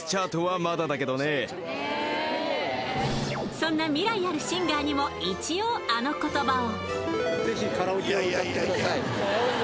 そんな未来あるシンガーにも一応、あの言葉を。